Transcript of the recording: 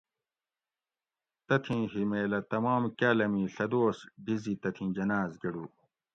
تتھیں ہِمیلہ تمام کاۤلمی ڷہ دوس ڈیزی تتھیں جناۤز گۤڑو